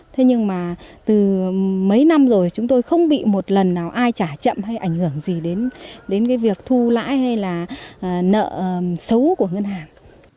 thế nhưng mà từ mấy năm rồi chúng tôi không bị một lần nào ai trả chậm hay ảnh hưởng gì đến cái việc thu lãi hay là nợ xấu của ngân hàng